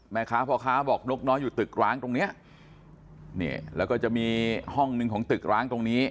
พ่อค้าบอกนกน้อยอยู่ตึกร้างตรงเนี้ยนี่แล้วก็จะมีห้องหนึ่งของตึกร้างตรงนี้